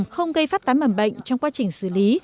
không gây phát tán mầm bệnh trong quá trình xử lý